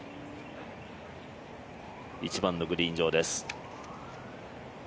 １番のグリーン上です。